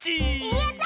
やった！